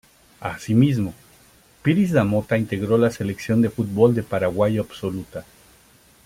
Así mismo, Piris da Motta integró la selección de fútbol de Paraguay absoluta.